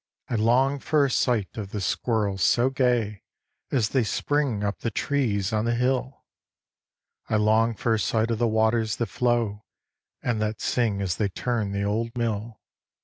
I long for a sight of the squirrels so gay, As they spring up the trees on the hill, I long for a sight of the waters that flow And that sing as they turn the old mill.